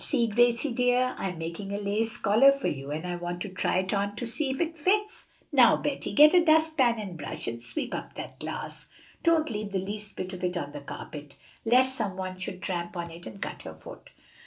"See, Gracie dear, I am making a lace collar for you, and I want to try it on to see if it fits." "Now, Betty, get a dust pan and brush and sweep up that glass. Don't leave the least bit of it on the carpet, lest some one should tramp on it and cut her foot."